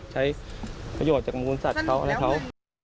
ใช้ประโยชน์จากกำคุณสัตว์เขา